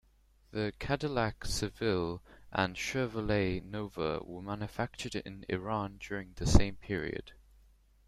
The Cadillac Seville and Chevrolet Nova were manufactured in Iran during the same period.